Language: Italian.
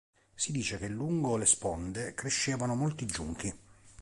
Si dice che lungo le sponde crescevano molti giunchi.